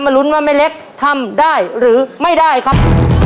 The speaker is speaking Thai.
ลุ้นว่าแม่เล็กทำได้หรือไม่ได้ครับ